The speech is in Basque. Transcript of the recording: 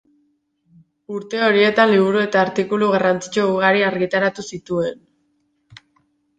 Urte horietan liburu eta artikulu garrantzitsu ugari argitaratu zituen.